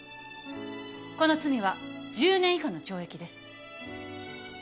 この罪は１０年以下の懲役です。